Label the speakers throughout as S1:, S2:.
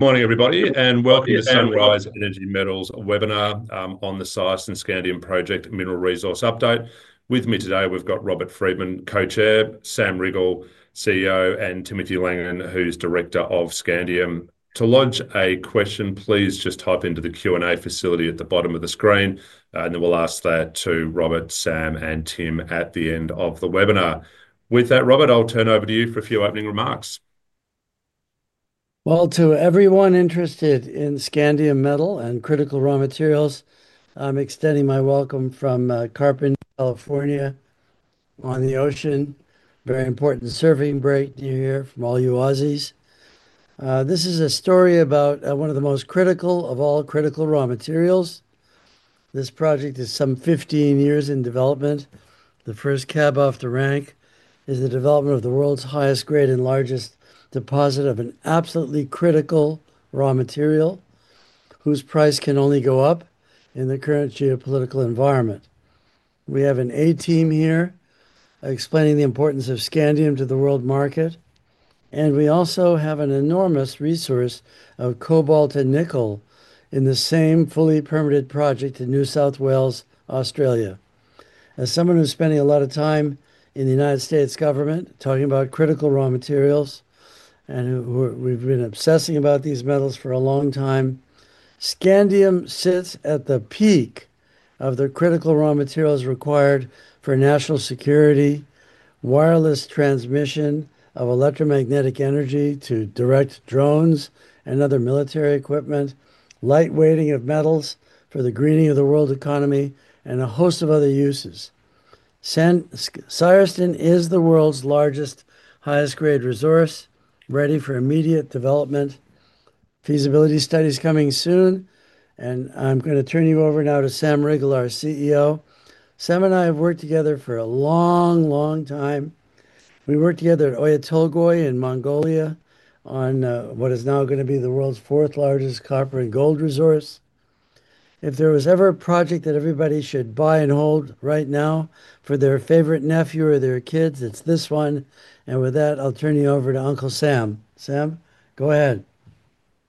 S1: Morning everybody, and welcome to Sunrise Energy Metals' webinar on the CISCEN Scandium Project mineral resource update. With me today, we've got Robert Friedland, Co-Chair; Sam Riggall, CEO; and Timothy Langan, who's Director of Scandium. To launch a question, please just type into the Q&A facility at the bottom of the screen, and then we'll ask that to Robert, Sam, and Tim at the end of the webinar. With that, Robert, I'll turn over to you for a few opening remarks.
S2: To everyone interested in scandium metals and critical raw materials, I'm extending my welcome from Carpenter, California, on the ocean. Very important surfing break near here for all you Aussies. This is a story about one of the most critical of all critical raw materials. This project is some 15 years in development. The first cab off the rank is the development of the world's highest grade and largest deposit of an absolutely critical raw material whose price can only go up in the current geopolitical environment. We have an A team here explaining the importance of scandium to the world market, and we also have an enormous resource of cobalt and nickel in the same fully permitted project in New South Wales, Australia. As someone who's spending a lot of time in the U.S. government talking about critical raw materials, and we've been obsessing about these metals for a long time, scandium sits at the peak of the critical raw materials required for national security, wireless transmission of electromagnetic energy to direct drones and other military equipment, light weighting of metals for the greening of the world economy, and a host of other uses. CISCEN is the world's largest, highest grade resource, ready for immediate development. Feasibility studies coming soon, and I'm going to turn you over now to Sam Riggall, our CEO. Sam and I have worked together for a long, long time. We worked together at Oyu Tolgoi in Mongolia on what is now going to be the world's fourth largest copper and gold resource. If there was ever a project that everybody should buy and hold right now for their favorite nephew or their kids, it's this one. With that, I'll turn you over to Uncle Sam. Sam, go ahead.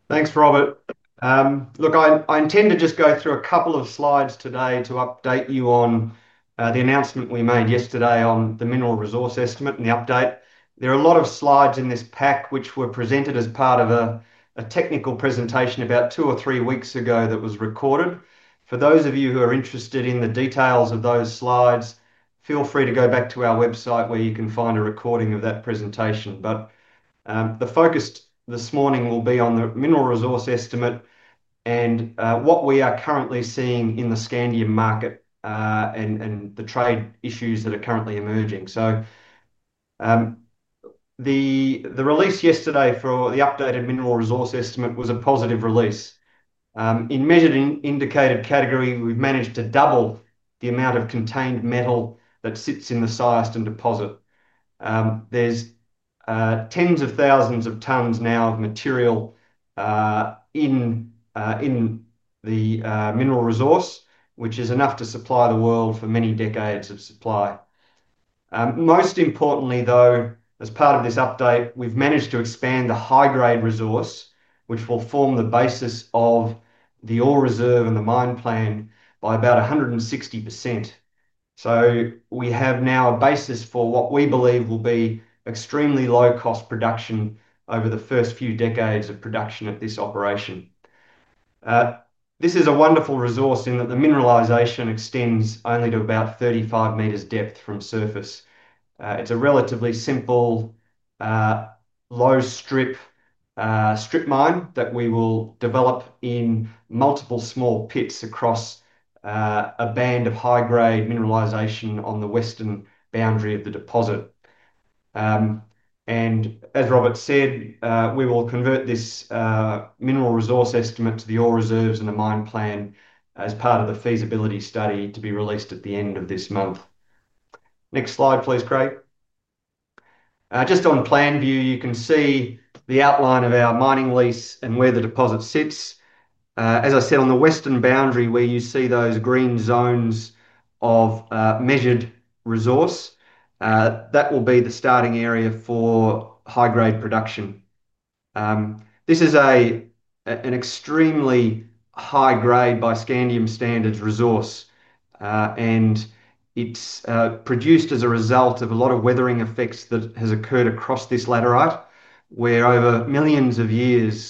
S3: Thanks, Robert. Look, I intend to just go through a couple of slides today to update you on the announcement we made yesterday on the mineral resource estimate and the update. There are a lot of slides in this pack, which were presented as part of a technical presentation about two or three weeks ago that was recorded. For those of you who are interested in the details of those slides, feel free to go back to our website where you can find a recording of that presentation. The focus this morning will be on the mineral resource estimate and what we are currently seeing in the scandium market and the trade issues that are currently emerging. The release yesterday for the updated mineral resource estimate was a positive release. In measured and indicated category, we've managed to double the amount of contained metal that sits in the CISCEN deposit. There's tens of thousands of tons now of material in the mineral resource, which is enough to supply the world for many decades of supply. Most importantly, though, as part of this update, we've managed to expand the high-grade resource, which will form the basis of the ore reserve and the mine plan by about 160%. We have now a basis for what we believe will be extremely low-cost production over the first few decades of production at this operation. This is a wonderful resource in that the mineralization extends only to about 35 meters depth from surface. It's a relatively simple low strip mine that we will develop in multiple small pits across a band of high-grade mineralization on the western boundary of the deposit. As Robert said, we will convert this mineral resource estimate to the ore reserves and the mine plan as part of the feasibility study to be released at the end of this month. Next slide, please, Craig. Just on plan view, you can see the outline of our mining lease and where the deposit sits. As I said, on the western boundary where you see those green zones of measured resource, that will be the starting area for high-grade production. This is an extremely high-grade by scandium standards resource, and it's produced as a result of a lot of weathering effects that have occurred across this laterite, where over millions of years,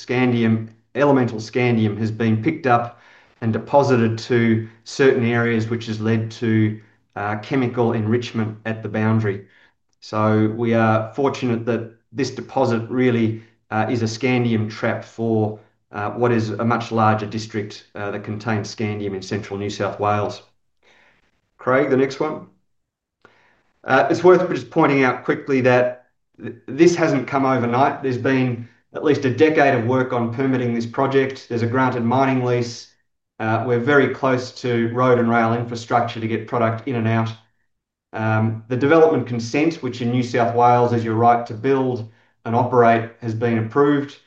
S3: elemental scandium has been picked up and deposited to certain areas, which has led to chemical enrichment at the boundary. We are fortunate that this deposit really is a scandium trap for what is a much larger district that contains scandium in central New South Wales. Craig, the next one. It's worth just pointing out quickly that this hasn't come overnight. There's been at least a decade of work on permitting this project. There's a granted mining lease. We're very close to road and rail infrastructure to get product in and out. The development consent, which in New South Wales is your right to build and operate, has been approved,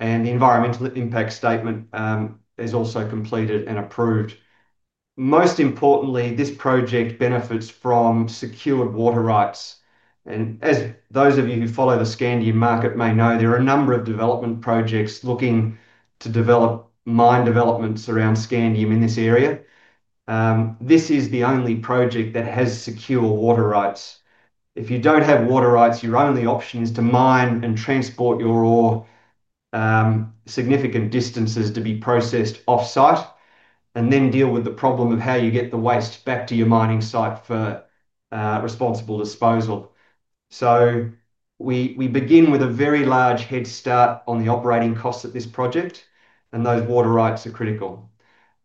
S3: and the environmental impact statement is also completed and approved. Most importantly, this project benefits from secured water rights. As those of you who follow the scandium market may know, there are a number of development projects looking to develop mine developments around scandium in this area. This is the only project that has secure water rights. If you don't have water rights, your only option is to mine and transport your ore significant distances to be processed off-site and then deal with the problem of how you get the waste back to your mining site for responsible disposal. We begin with a very large head start on the operating costs of this project, and those water rights are critical.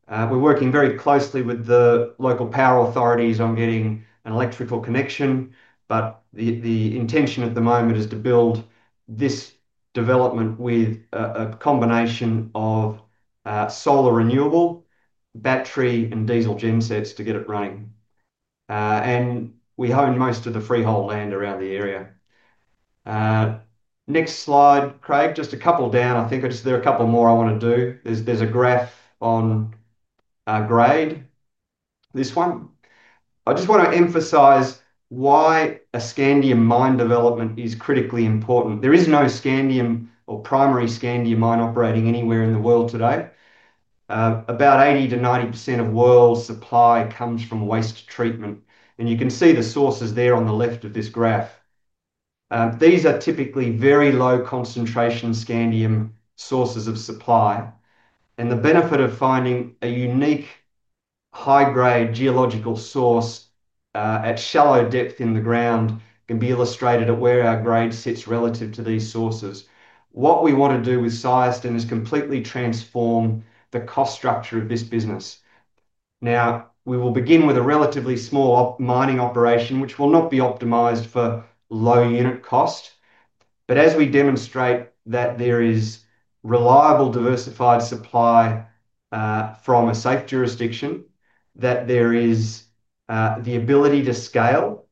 S3: We're working very closely with the local power authorities on getting an electrical connection, but the intention at the moment is to build this development with a combination of solar renewable, battery, and diesel gen sets to get it running. We own most of the freehold land around the area. Next slide, Craig. Just a couple down. I think there's a couple more I want to do. There's a graph on grade. This one. I just want to emphasize why a scandium mine development is critically important. There is no scandium or primary scandium mine operating anywhere in the world today. About 80% to 90% of world supply comes from waste treatment. You can see the sources there on the left of this graph. These are typically very low concentration scandium sources of supply. The benefit of finding a unique high-grade geological source at shallow depth in the ground can be illustrated at where our grade sits relative to these sources. What we want to do with CISCEN is completely transform the cost structure of this business. We will begin with a relatively small mining operation, which will not be optimized for low unit cost. As we demonstrate that there is reliable diversified supply from a safe jurisdiction, that there is the ability to scale,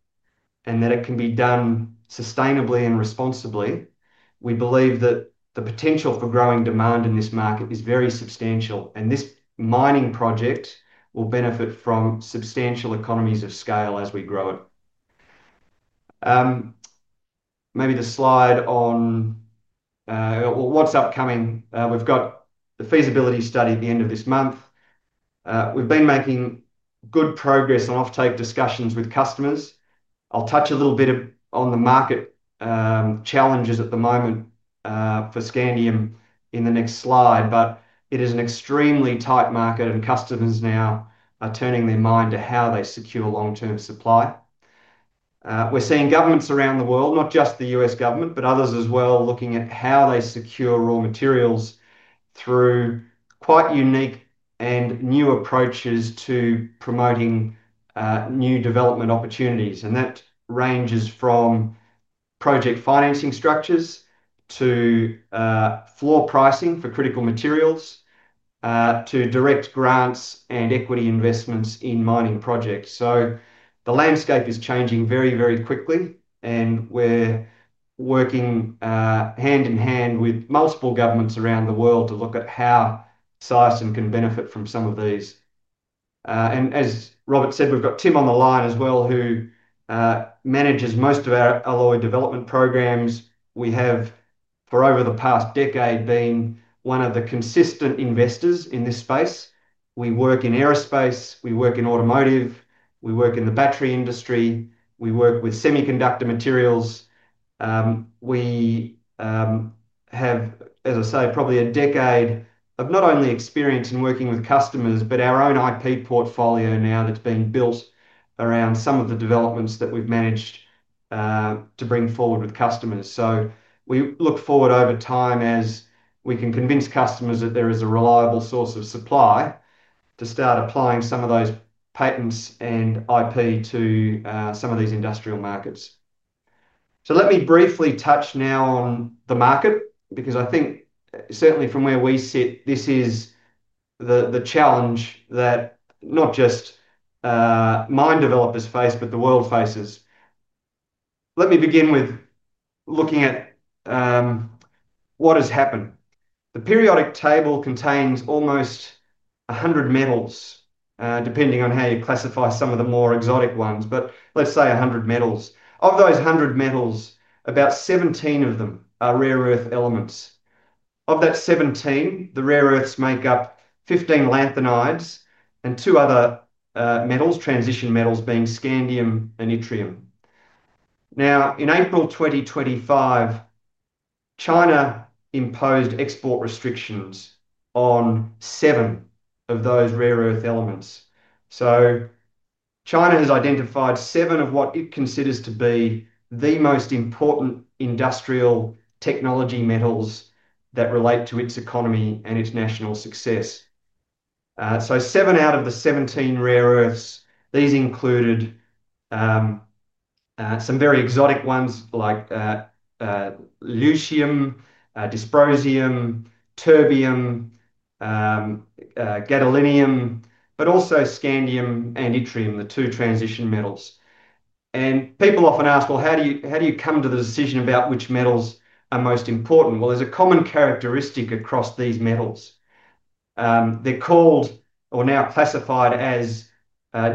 S3: and that it can be done sustainably and responsibly, we believe that the potential for growing demand in this market is very substantial. This mining project will benefit from substantial economies of scale as we grow it. Maybe the slide on what's upcoming. We've got the feasibility study at the end of this month. We've been making good progress on offtake discussions with customers. I'll touch a little bit on the market challenges at the moment for scandium in the next slide, but it is an extremely tight market, and customers now are turning their mind to how they secure long-term supply. We're seeing governments around the world, not just the U.S. government, but others as well, looking at how they secure raw materials through quite unique and new approaches to promoting new development opportunities. That ranges from project financing structures to floor pricing for critical materials to direct grants and equity investments in mining projects. The landscape is changing very, very quickly, and we're working hand in hand with multiple governments around the world to look at how CISCEN can benefit from some of these. As Robert said, we've got Tim on the line as well, who manages most of our scandium alloy development programs. We have, for over the past decade, been one of the consistent investors in this space. We work in aerospace. We work in automotive. We work in the battery industry. We work with semiconductor materials. We have, as I say, probably a decade of not only experience in working with customers, but our own IP portfolio now that's been built around some of the developments that we've managed to bring forward with customers. We look forward over time as we can convince customers that there is a reliable source of supply to start applying some of those patents and IP to some of these industrial markets. Let me briefly touch now on the market because I think certainly from where we sit, this is the challenge that not just mine developers face, but the world faces. Let me begin with looking at what has happened. The periodic table contains almost 100 metals, depending on how you classify some of the more exotic ones, but let's say 100 metals. Of those 100 metals, about 17 of them are rare earth elements. Of that 17, the rare earths make up 15 lanthanides and two other metals, transition metals, being scandium and yttrium. In April 2025, China imposed export restrictions on seven of those rare earth elements. China has identified seven of what it considers to be the most important industrial technology metals that relate to its economy and its national success. Seven out of the 17 rare earths included some very exotic ones like lithium, dysprosium, terbium, gadolinium, but also scandium and yttrium, the two transition metals. People often ask, how do you come to the decision about which metals are most important? There's a common characteristic across these metals. They're called, or now classified as,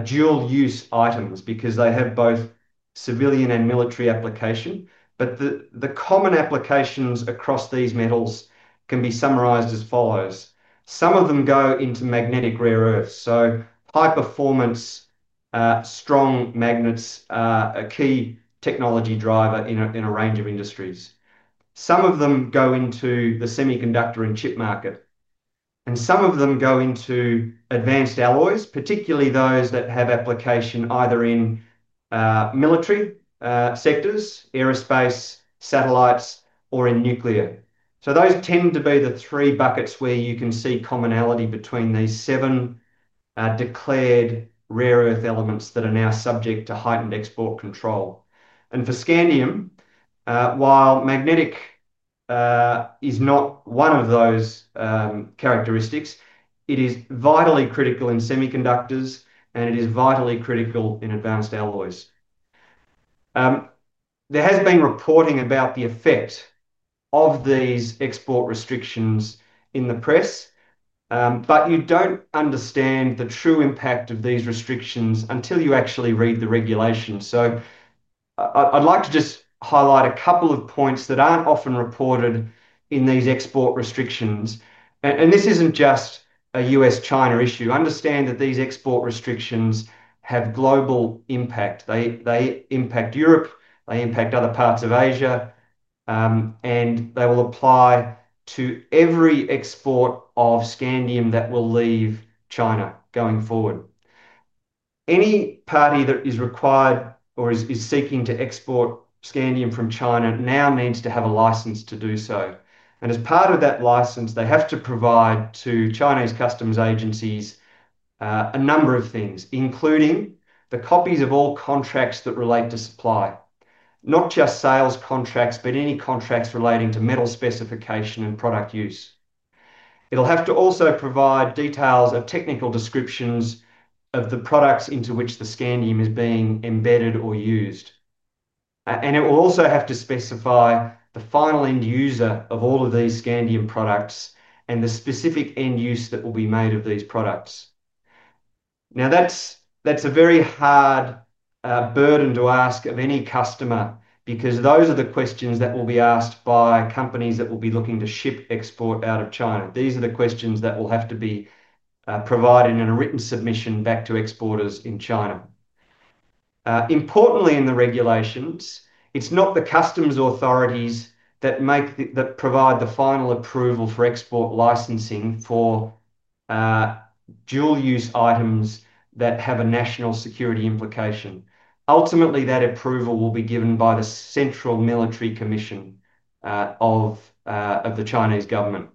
S3: dual-use items because they have both civilian and military application. The common applications across these metals can be summarized as follows. Some of them go into magnetic rare earths. High performance, strong magnets are a key technology driver in a range of industries. Some of them go into the semiconductor and chip market. Some of them go into advanced alloys, particularly those that have application either in military sectors, aerospace, satellites, or in nuclear. Those tend to be the three buckets where you can see commonality between these seven declared rare earth elements that are now subject to heightened export control. For scandium, while magnetic is not one of those characteristics, it is vitally critical in semiconductors, and it is vitally critical in advanced alloys. There has been reporting about the effect of these export restrictions in the press, but you don't understand the true impact of these restrictions until you actually read the regulations. I'd like to just highlight a couple of points that aren't often reported in these export restrictions. This isn't just a U.S.-China issue. I understand that these export restrictions have global impact. They impact Europe. They impact other parts of Asia. They will apply to every export of scandium that will leave China going forward. Any party that is required or is seeking to export scandium from China now needs to have a license to do so. As part of that license, they have to provide to Chinese customs agencies a number of things, including the copies of all contracts that relate to supply. Not just sales contracts, but any contracts relating to metal specification and product use. It'll have to also provide details of technical descriptions of the products into which the scandium is being embedded or used. It will also have to specify the final end user of all of these scandium products and the specific end use that will be made of these products. That's a very hard burden to ask of any customer because those are the questions that will be asked by companies that will be looking to ship export out of China. These are the questions that will have to be provided in a written submission back to exporters in China. Importantly, in the regulations, it's not the customs authorities that provide the final approval for export licensing for dual-use items that have a national security implication. Ultimately, that approval will be given by the Central Military Commission of the Chinese government.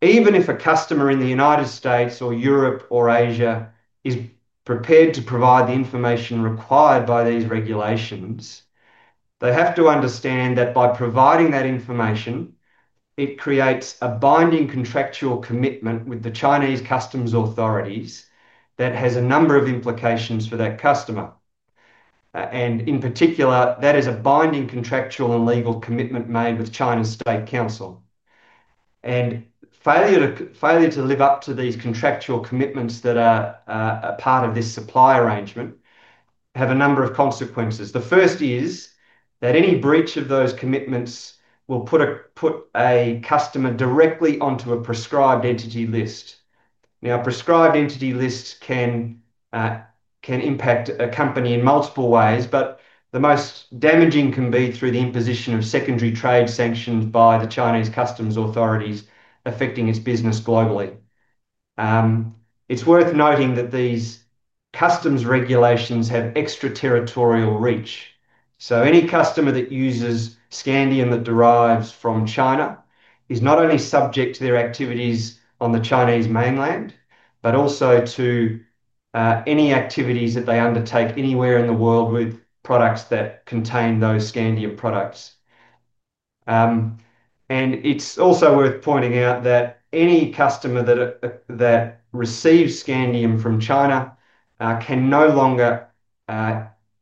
S3: Even if a customer in the United States or Europe or Asia is prepared to provide the information required by these regulations, they have to understand that by providing that information, it creates a binding contractual commitment with the Chinese customs authorities that has a number of implications for that customer. In particular, that is a binding contractual and legal commitment made with China's State Council. Failure to live up to these contractual commitments that are a part of this supply arrangement have a number of consequences. The first is that any breach of those commitments will put a customer directly onto a prescribed entity list. A prescribed entity list can impact a company in multiple ways, but the most damaging can be through the imposition of secondary trade sanctions by the Chinese customs authorities affecting its business globally. It's worth noting that these customs regulations have extraterritorial reach. Any customer that uses scandium that derives from China is not only subject to their activities on the Chinese mainland, but also to any activities that they undertake anywhere in the world with products that contain those scandium products. It's also worth pointing out that any customer that receives scandium from China can no longer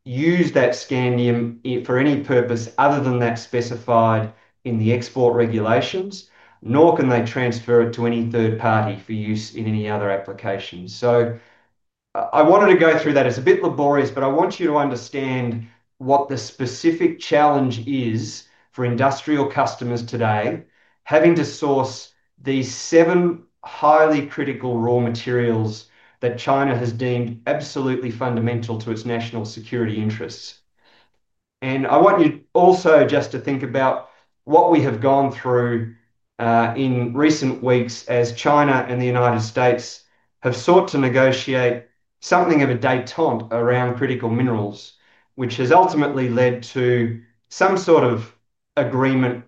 S3: use that scandium for any purpose other than that specified in the export regulations, nor can they transfer it to any third party for use in any other applications. I wanted to go through that. It's a bit laborious, but I want you to understand what the specific challenge is for industrial customers today having to source these seven highly critical raw materials that China has deemed absolutely fundamental to its national security interests. I want you also just to think about what we have gone through in recent weeks as China and the United States have sought to negotiate something of a detente around critical minerals, which has ultimately led to some sort of agreement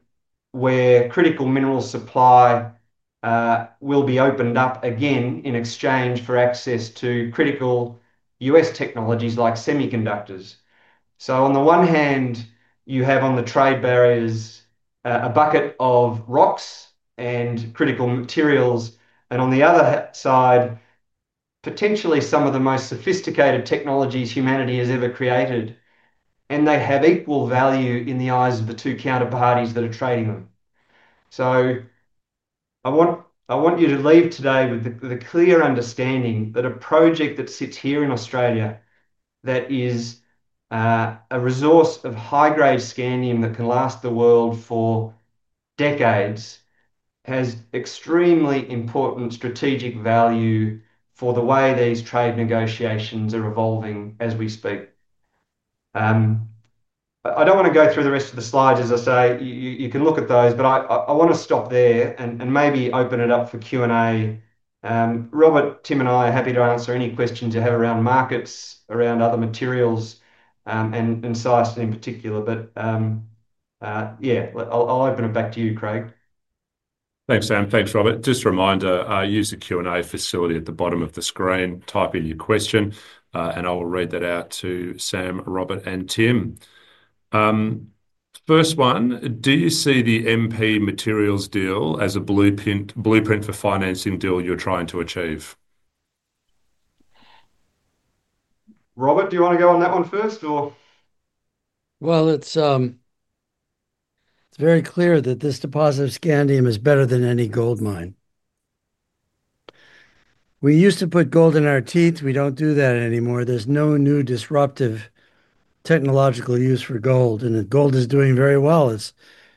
S3: where critical mineral supply will be opened up again in exchange for access to critical U.S. technologies like semiconductors. On the one hand, you have on the trade barriers a bucket of rocks and critical materials, and on the other side, potentially some of the most sophisticated technologies humanity has ever created. They have equal value in the eyes of the two counterparties that are trading them. I want you to leave today with the clear understanding that a project that sits here in Australia that is a resource of high-grade scandium that can last the world for decades has extremely important strategic value for the way these trade negotiations are evolving as we speak. I don't want to go through the rest of the slides. As I say, you can look at those, but I want to stop there and maybe open it up for Q&A. Robert, Tim, and I are happy to answer any questions you have around markets, around other materials, and CISCEN in particular. I'll open it back to you, Craig.
S1: Thanks, Sam. Thanks, Robert. Just a reminder, use the Q&A facility at the bottom of the screen. Type in your question, and I will read that out to Sam, Robert, and Tim. First one, do you see the MP Materials deal as a blueprint for financing deal you're trying to achieve?
S3: Robert, do you want to go on that one first?
S2: It's very clear that this deposit of scandium is better than any gold mine. We used to put gold in our teeth. We don't do that anymore. There's no new disruptive technological use for gold, and the gold is doing very well. It's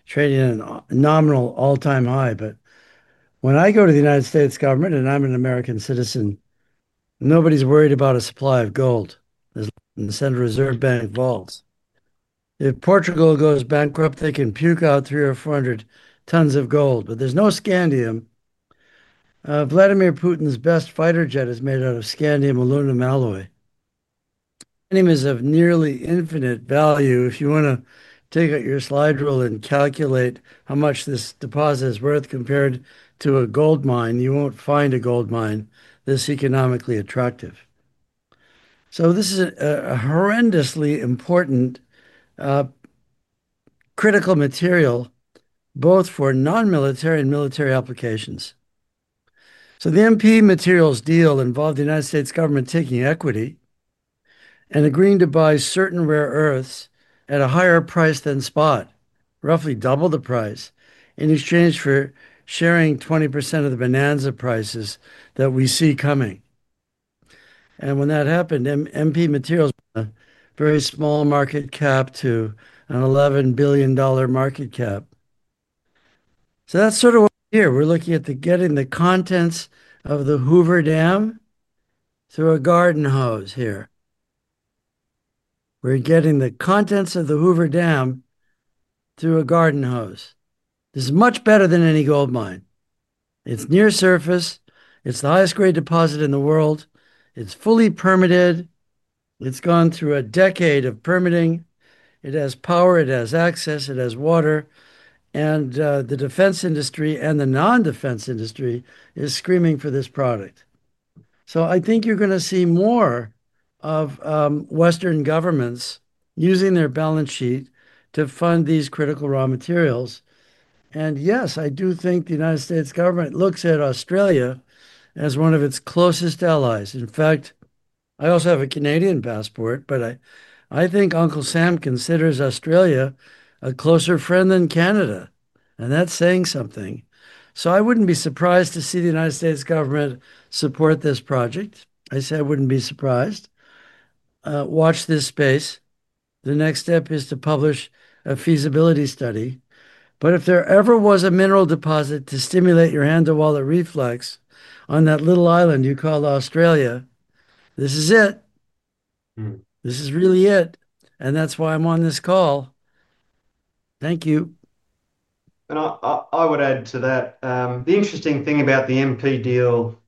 S2: trading at a nominal all-time high. When I go to the U.S. government and I'm an American citizen, nobody's worried about a supply of gold. In the Central Reserve Bank vaults, if Portugal goes bankrupt, they can puke out 300 or 400 tons of gold. There's no scandium. Vladimir Putin's best fighter jet is made out of scandium aluminum alloy. Scandium is of nearly infinite value. If you want to take out your slide rule and calculate how much this deposit is worth compared to a gold mine, you won't find a gold mine this economically attractive. This is a horrendously important critical material, both for non-military and military applications. The MP Materials deal involved the U.S. government taking equity and agreeing to buy certain rare earths at a higher price than spot, roughly double the price, in exchange for sharing 20% of the bonanza prices that we see coming. When that happened, MP Materials had a very small market cap to an $11 billion market cap. That's sort of what we're here. We're looking at getting the contents of the Hoover Dam through a garden hose here. We're getting the contents of the Hoover Dam through a garden hose. This is much better than any gold mine. It's near surface. It's the highest grade deposit in the world. It's fully permitted. It's gone through a decade of permitting. It has power. It has access. It has water. The defense industry and the non-defense industry are screaming for this product. I think you're going to see more of Western governments using their balance sheet to fund these critical raw materials. Yes, I do think the U.S. government looks at Australia as one of its closest allies. In fact, I also have a Canadian passport, but I think Uncle Sam considers Australia a closer friend than Canada. That's saying something. I wouldn't be surprised to see the U.S. government support this project. I said I wouldn't be surprised. Watch this space. The next step is to publish a feasibility study. If there ever was a mineral deposit to stimulate your hand-to-wallet reflex on that little island you call Australia, this is it. This is really it. That's why I'm on this call. Thank you.
S3: I would add to that. The interesting thing about the MP Materials deal,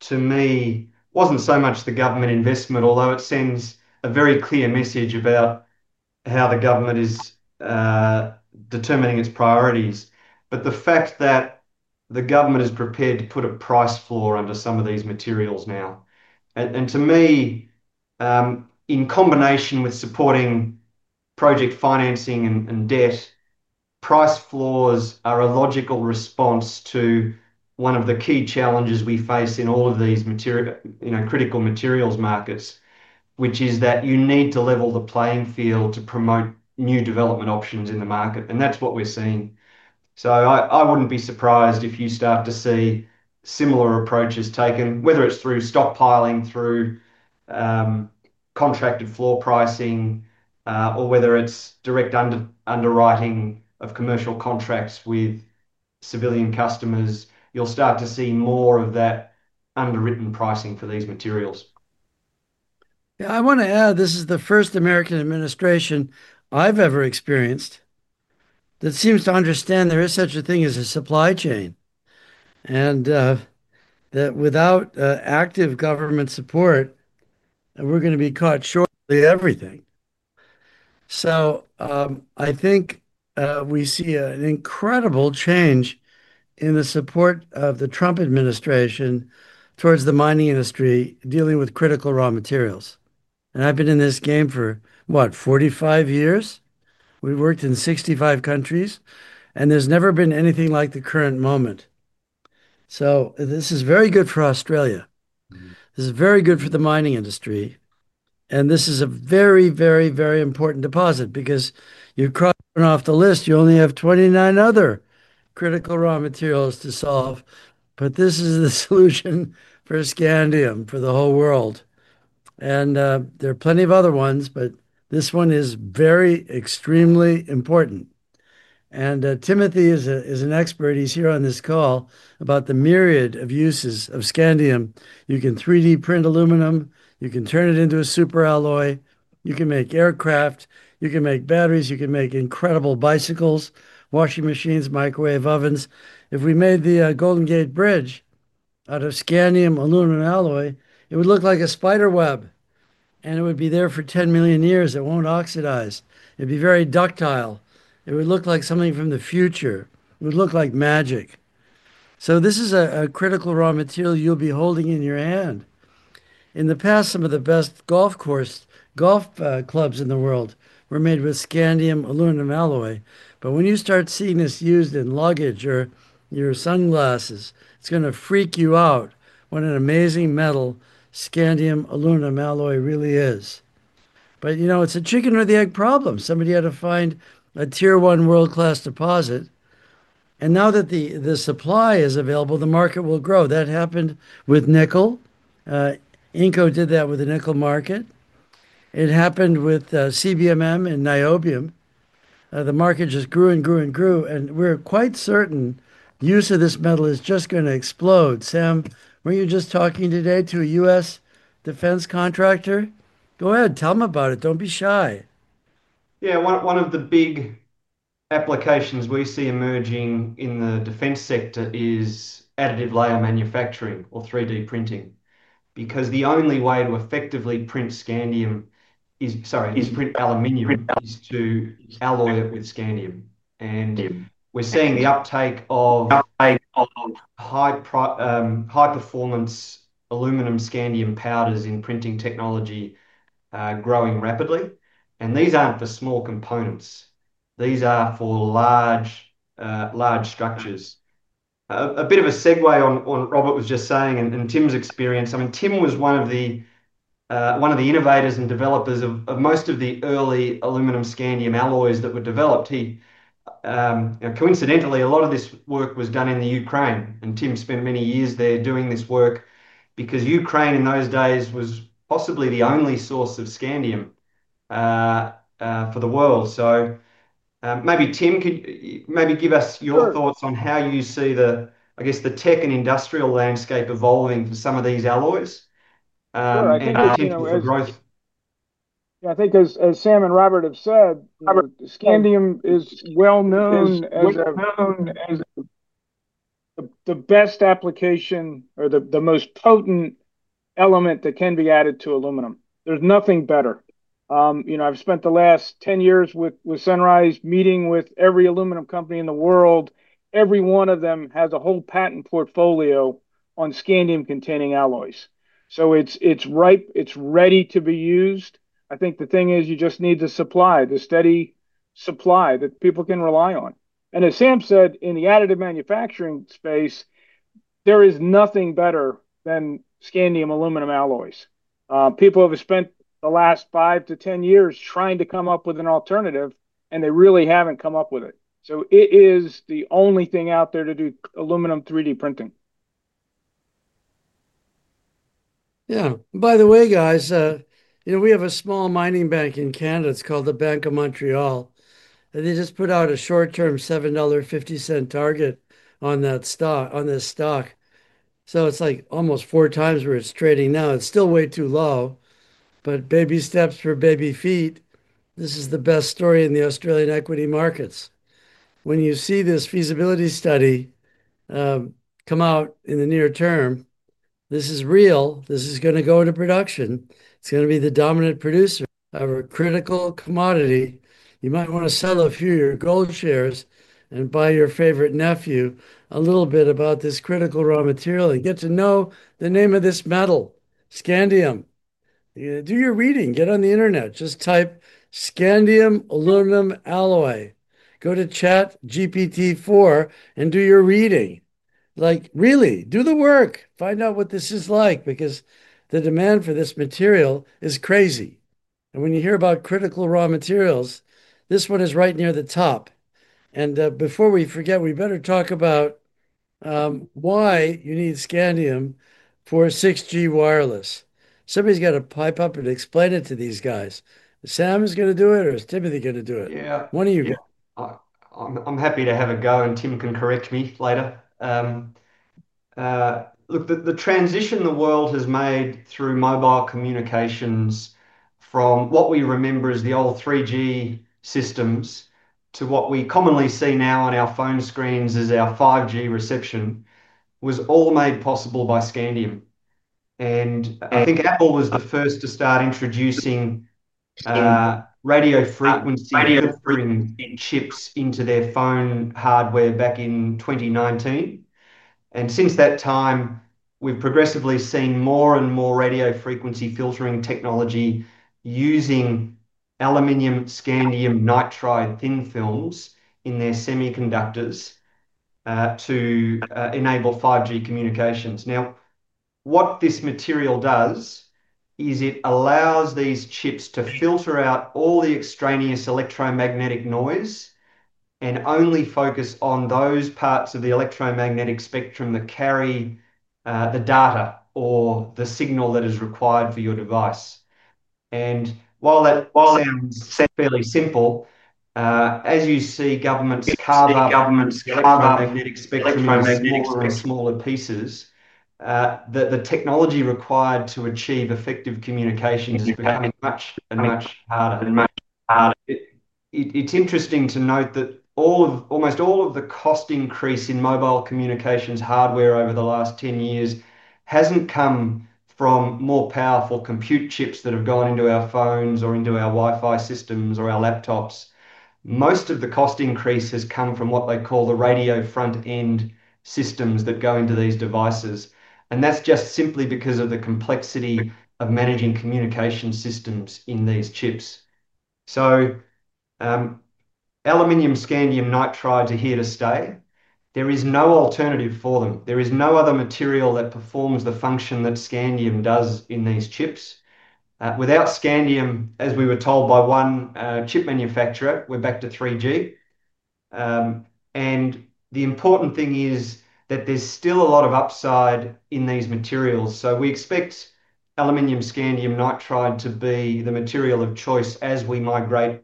S3: to me, wasn't so much the government investment, although it sends a very clear message about how the government is determining its priorities. The fact that the government is prepared to put a price floor under some of these materials now, in combination with supporting project financing and debt, means price floors are a logical response to one of the key challenges we face in all of these critical materials markets, which is that you need to level the playing field to promote new development options in the market. That's what we're seeing. I wouldn't be surprised if you start to see similar approaches taken, whether it's through stockpiling, through contracted floor pricing, or whether it's direct underwriting of commercial contracts with civilian customers. You'll start to see more of that underwritten pricing for these materials.
S2: Yeah, I want to add this is the first American administration I've ever experienced that seems to understand there is such a thing as a supply chain. Without active government support, we're going to be caught short of everything. I think we see an incredible change in the support of the Trump administration towards the mining industry dealing with critical raw materials. I've been in this game for, what, 45 years? We've worked in 65 countries, and there's never been anything like the current moment. This is very good for Australia. This is very good for the mining industry. This is a very, very, very important deposit because you cross it off the list, you only have 29 other critical raw materials to solve. This is the solution for scandium for the whole world. There are plenty of other ones, but this one is very, extremely important. Timothy is an expert. He's here on this call about the myriad of uses of scandium. You can 3D print aluminum. You can turn it into a super alloy. You can make aircraft. You can make batteries. You can make incredible bicycles, washing machines, microwave ovens. If we made the Golden Gate Bridge out of scandium aluminum alloy, it would look like a spider web. It would be there for 10 million years. It won't oxidize. It'd be very ductile. It would look like something from the future. It would look like magic. This is a critical raw material you'll be holding in your hand. In the past, some of the best golf clubs in the world were made with scandium aluminum alloy. When you start seeing this used in luggage or your sunglasses, it's going to freak you out what an amazing metal scandium aluminum alloy really is. You know it's a chicken or the egg problem. Somebody had to find a tier one world-class deposit. Now that the supply is available, the market will grow. That happened with nickel. Inco did that with the nickel market. It happened with CBMM and niobium. The market just grew and grew and grew. We're quite certain the use of this metal is just going to explode. Sam, weren't you just talking today to a U.S. defense contractor? Go ahead. Tell them about it. Don't be shy.
S3: Yeah, one of the big applications we see emerging in the defense sector is additive layer manufacturing or 3D printing. The only way to effectively print aluminum is to alloy it with scandium. We're seeing the uptake of high-performance aluminum scandium powders in printing technology growing rapidly. These aren't for small components. These are for large structures. A bit of a segue on what Robert was just saying and Tim's experience. Tim was one of the innovators and developers of most of the early aluminum scandium alloys that were developed. Coincidentally, a lot of this work was done in Ukraine. Tim spent many years there doing this work because Ukraine in those days was possibly the only source of scandium for the world. Maybe Tim could give us your thoughts on how you see the tech and industrial landscape evolving for some of these alloys.
S4: Yeah, I think as Sam and Robert have said, scandium is well known as the best application or the most potent element that can be added to aluminum. There's nothing better. You know, I've spent the last 10 years with Sunrise meeting with every aluminum company in the world. Every one of them has a whole patent portfolio on scandium-containing alloys. It's ripe. It's ready to be used. I think the thing is you just need the supply, the steady supply that people can rely on. As Sam said, in the additive manufacturing space, there is nothing better than scandium aluminum alloys. People have spent the last 5 to 10 years trying to come up with an alternative, and they really haven't come up with it. It is the only thing out there to do aluminum 3D printing.
S2: By the way, guys, you know we have a small mining bank in Canada. It's called the Bank of Montreal. They just put out a short-term $7.50 target on that stock, on this stock. It's like almost four times where it's trading now. It's still way too low. Baby steps for baby feet. This is the best story in the Australian equity markets. When you see this feasibility study come out in the near term, this is real. This is going to go into production. It's going to be the dominant producer of a critical commodity. You might want to sell a few of your gold shares and buy your favorite nephew a little bit about this critical raw material and get to know the name of this metal, scandium. Do your reading. Get on the internet. Just type scandium aluminum alloy. Go to ChatGPT-4 and do your reading. Like, really, do the work. Find out what this is like because the demand for this material is crazy. When you hear about critical raw materials, this one is right near the top. Before we forget, we better talk about why you need scandium for 6G wireless. Somebody's got to pipe up and explain it to these guys. Sam's going to do it or is Timothy going to do it?
S3: Yeah.
S2: One of you go.
S3: I'm happy to have a go, and Tim can correct me later. Look, the transition the world has made through mobile communications from what we remember as the old 3G systems to what we commonly see now on our phone screens as our 5G reception was all made possible by scandium. I think Apple was the first to start introducing radio frequency filtering in chips into their phone hardware back in 2019. Since that time, we've progressively seen more and more radio frequency filtering technology using aluminium scandium nitride thin films in their semiconductors to enable 5G communications. What this material does is it allows these chips to filter out all the extraneous electromagnetic noise and only focus on those parts of the electromagnetic spectrum that carry the data or the signal that is required for your device. While it's fairly simple, as you see governments carve up electromagnetic spectrum in smaller pieces, the technology required to achieve effective communications is becoming much harder. It's interesting to note that almost all of the cost increase in mobile communications hardware over the last 10 years hasn't come from more powerful compute chips that have gone into our phones or into our Wi-Fi systems or our laptops. Most of the cost increase has come from what they call the radio front-end systems that go into these devices. That's just simply because of the complexity of managing communication systems in these chips. Aluminium scandium nitride is here to stay. There is no alternative for them. There is no other material that performs the function that scandium does in these chips. Without scandium, as we were told by one chip manufacturer, we're back to 3G. The important thing is that there's still a lot of upside in these materials. We expect aluminium scandium nitride to be the material of choice as we migrate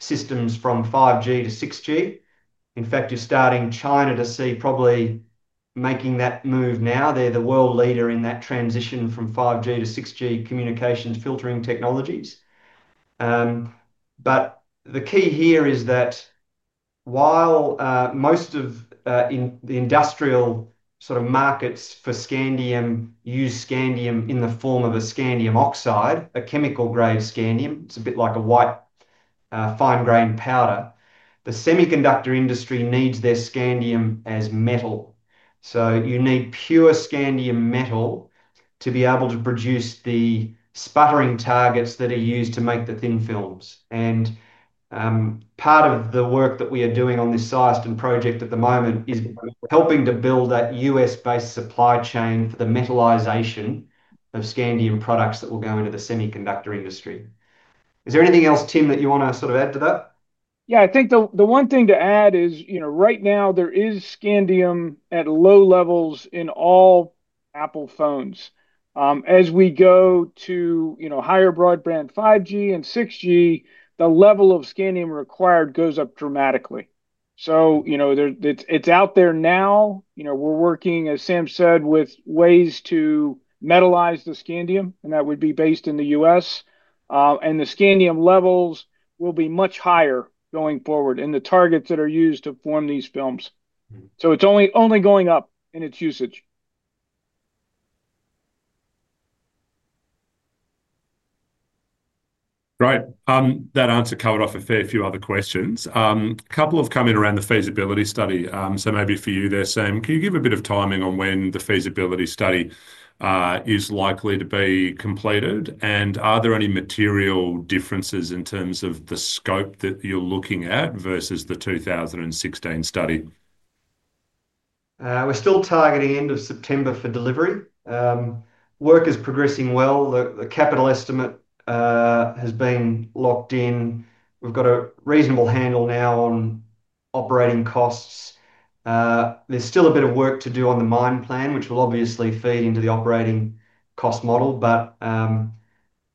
S3: systems from 5G to 6G. In fact, you're starting to see China probably making that move now. They're the world leader in that transition from 5G to 6G communications filtering technologies. The key here is that while most of the industrial sort of markets for scandium use scandium in the form of a scandium oxide, a chemical-grade scandium, it's a bit like a white fine-grain powder, the semiconductor industry needs their scandium as metal. You need pure scandium metal to be able to produce the sputtering targets that are used to make the thin films. Part of the work that we are doing on this CISCEN Scandium Project at the moment is helping to build that U.S.-based supply chain for the metalization of scandium products that will go into the semiconductor industry. Is there anything else, Tim, that you want to sort of add to that?
S4: Yeah, I think the one thing to add is, you know, right now there is scandium at low levels in all Apple phones. As we go to higher broadband 5G and 6G, the level of scandium required goes up dramatically. It's out there now. We're working, as Sam said, with ways to metalize the scandium, and that would be based in the U.S. The scandium levels will be much higher going forward in the targets that are used to form these films. It's only going up in its usage.
S1: Right. That answer covered off a fair few other questions. A couple have come in around the feasibility study. Maybe for you there, Sam, can you give a bit of timing on when the feasibility study is likely to be completed? Are there any material differences in terms of the scope that you're looking at versus the 2016 study?
S3: We're still targeting the end of September for delivery. Work is progressing well. The capital estimate has been locked in. We've got a reasonable handle now on operating costs. There's still a bit of work to do on the mine plan, which will obviously feed into the operating cost model. The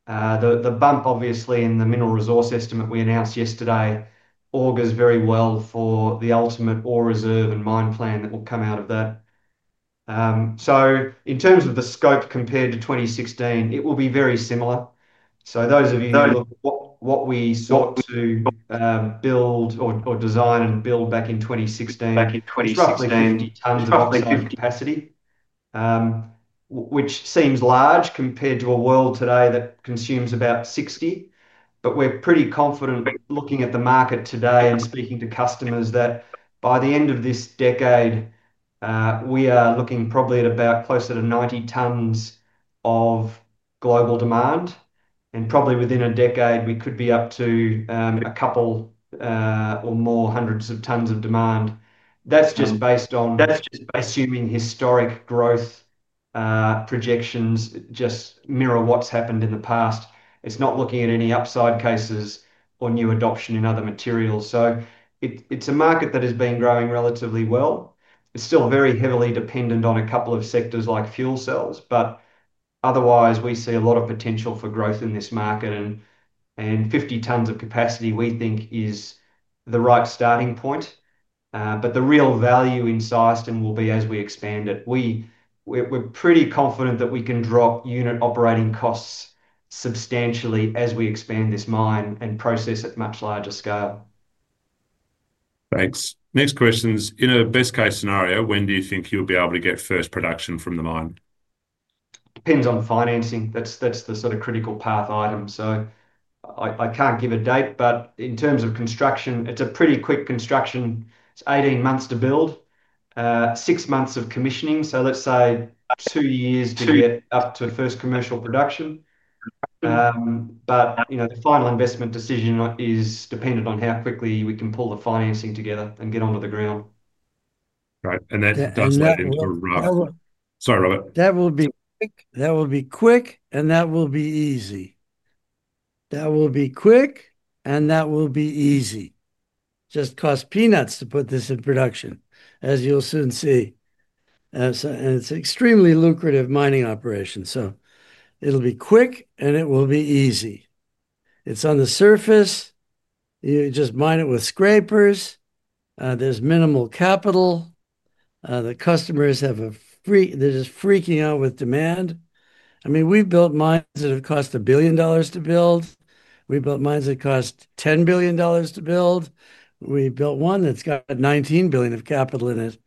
S3: bump, obviously, in the mineral resource estimate we announced yesterday augurs very well for the ultimate ore reserve and mine plan that will come out of that. In terms of the scope compared to 2016, it will be very similar. Those of you who look at what we sought to build or design and build back in 2016, we've got tons of operating capacity, which seems large compared to a world today that consumes about 60. We're pretty confident looking at the market today and speaking to customers that by the end of this decade, we are looking probably at about closer to 90 tons of global demand. Probably within a decade, we could be up to a couple or more hundreds of tons of demand. That's just based on assuming historic growth projections just mirror what's happened in the past. It's not looking at any upside cases or new adoption in other materials. It's a market that has been growing relatively well. It's still very heavily dependent on a couple of sectors like fuel cells. Otherwise, we see a lot of potential for growth in this market. Fifty tons of capacity, we think, is the right starting point. The real value in CISCEN will be as we expand it. We're pretty confident that we can drop unit operating costs substantially as we expand this mine and process at much larger scale.
S1: Thanks. Next question is, in a best-case scenario, when do you think you'll be able to get first production from the mine?
S3: Depends on financing. That's the sort of critical path item. I can't give a date, but in terms of construction, it's a pretty quick construction. It's 18 months to build, six months of commissioning. Let's say about two years to get up to first commercial production. The final investment decision is dependent on how quickly we can pull the financing together and get onto the ground.
S1: Right. That's definitely right. Sorry, Robert.
S2: That will be quick, and that will be easy. That will be quick, and that will be easy. Just cost peanuts to put this in production, as you'll soon see. It's an extremely lucrative mining operation. It'll be quick, and it will be easy. It's on the surface. You just mine it with scrapers. There's minimal capital. The customers have a freak... They're just freaking out with demand. I mean, we've built mines that have cost $1 billion to build. We built mines that cost $10 billion to build. We built one that's got $19 billion of capital in it.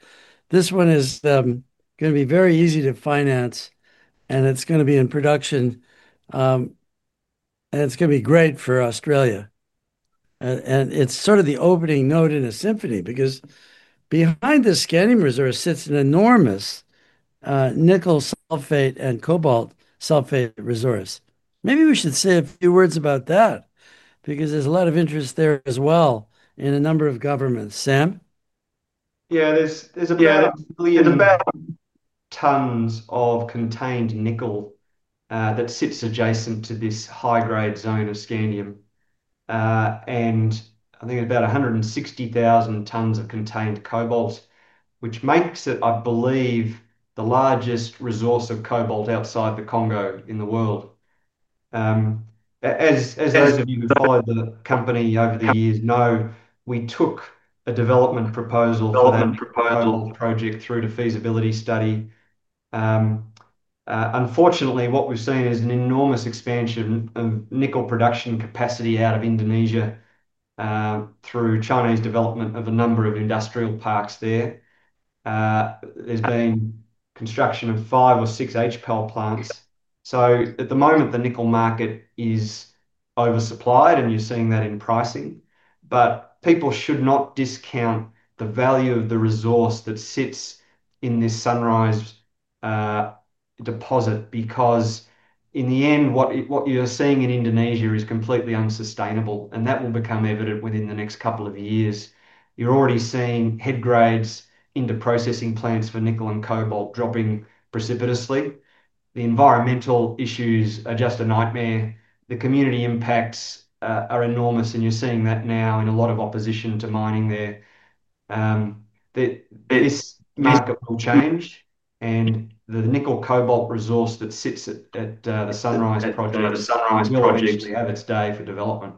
S2: This one is going to be very easy to finance, and it's going to be in production. It's going to be great for Australia. It's sort of the opening note in a symphony because behind the scandium resource sits an enormous nickel sulfate and cobalt sulfate resource. Maybe we should say a few words about that because there's a lot of interest there as well in a number of governments. Sam?
S3: Yeah, there's about 1 million tons of contained nickel that sits adjacent to this high-grade zone of scandium. I think it's about 160,000 tons of contained cobalt, which makes it, I believe, the largest resource of cobalt outside the Congo in the world. As those of you who followed the company over the years know, we took a development proposal for that whole project through to feasibility study. Unfortunately, what we've seen is an enormous expansion of nickel production capacity out of Indonesia through Chinese development of a number of industrial parks there. There's been construction in five or six HPAL plants. At the moment, the nickel market is oversupplied, and you're seeing that in pricing. People should not discount the value of the resource that sits in this Sunrise deposit because in the end, what you're seeing in Indonesia is completely unsustainable. That will become evident within the next couple of years. You're already seeing head grades into processing plants for nickel and cobalt dropping precipitously. The environmental issues are just a nightmare. The community impacts are enormous, and you're seeing that now in a lot of opposition to mining there. This will change, and the nickel-cobalt resource that sits at the Sunrise project will eventually have its day for development.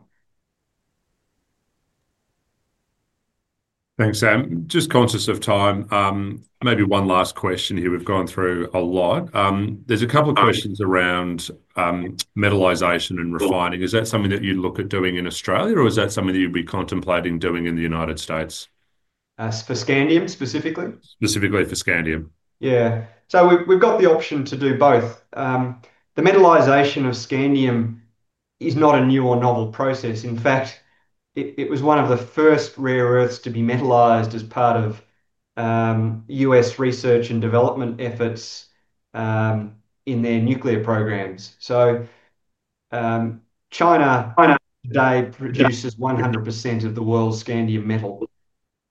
S1: Thanks, Sam. Just conscious of time, maybe one last question here. We've gone through a lot. There's a couple of questions around metalization and refining. Is that something that you'd look at doing in Australia, or is that something that you'd be contemplating doing in the United States?
S3: For scandium specifically?
S1: Specifically for scandium.
S3: Yeah. We've got the option to do both. The metalization of scandium is not a new or novel process. In fact, it was one of the first rare earth elements to be metalized as part of U.S. research and development efforts in their nuclear programs. China today produces 100% of the world's scandium metal.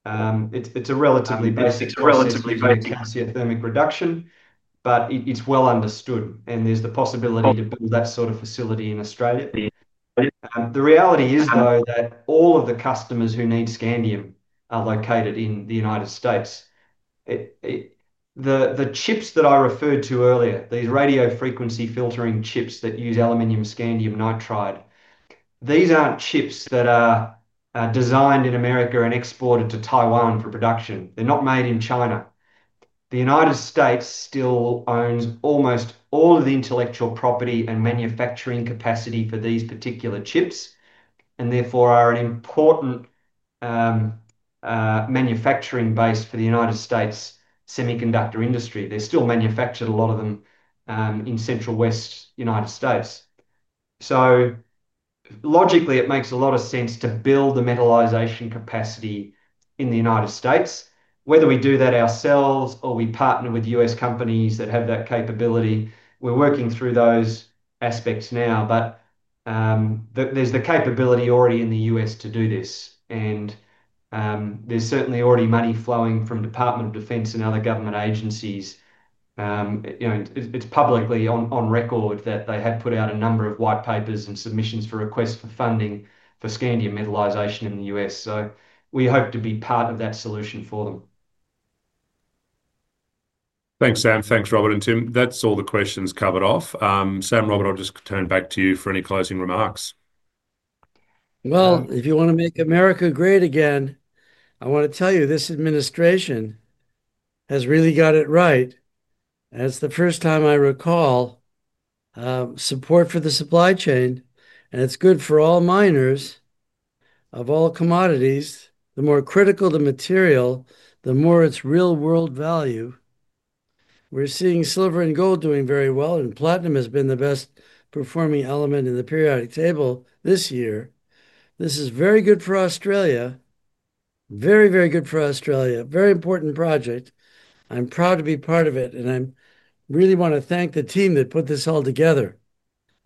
S3: It's a relatively basic reduction, but it's well understood. There's the possibility to build that sort of facility in Australia. The reality is that all of the customers who need scandium are located in the United States. The chips that I referred to earlier, these radio frequency filtering chips that use aluminium scandium nitride, aren't chips that are designed in America and exported to Taiwan for production. They're not made in China. The United States still owns almost all of the intellectual property and manufacturing capacity for these particular chips, and therefore are an important manufacturing base for the United States semiconductor industry. They're still manufactured, a lot of them, in Central West United States. Logically, it makes a lot of sense to build the metalization capacity in the United States. Whether we do that ourselves or we partner with U.S. companies that have that capability, we're working through those aspects now. There's the capability already in the U.S. to do this. There's certainly already money flowing from the Department of Defense and other government agencies. It's publicly on record that they have put out a number of white papers and submissions for requests for funding for scandium metalization in the U.S. We hope to be part of that solution for them.
S1: Thanks, Sam. Thanks, Robert and Tim. That's all the questions covered off. Sam, Robert, I'll just turn back to you for any closing remarks.
S2: If you want to make America great again, I want to tell you this administration has really got it right. As the first time I recall, support for the supply chain, and it's good for all miners of all commodities. The more critical the material, the more its real-world value. We're seeing silver and gold doing very well, and platinum has been the best performing element in the periodic table this year. This is very good for Australia. Very, very good for Australia. Very important project. I'm proud to be part of it, and I really want to thank the team that put this all together.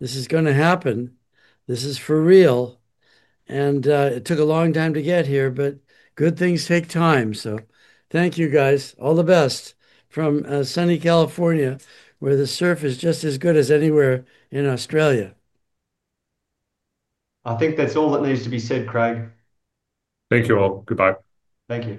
S2: This is going to happen. This is for real. It took a long time to get here, but good things take time. Thank you, guys. All the best from sunny California, where the surf is just as good as anywhere in Australia.
S3: I think that's all that needs to be said, Craig.
S1: Thank you all. Goodbye.
S3: Thank you.